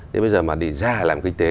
thế bây giờ mà đi ra làm kinh tế